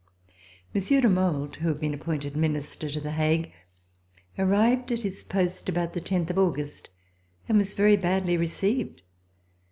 Monsieur de Maulde, who had been appointed Minister to The Hague, arrived at his post about the tenth of August and was very badly received.